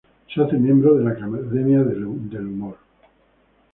Se hace miembro de la Academia de Humor.